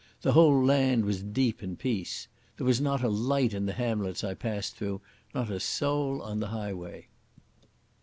The whole land was deep in peace. There was not a light in the hamlets I passed through, not a soul on the highway.